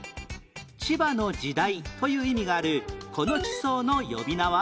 「千葉の時代」という意味があるこの地層の呼び名は？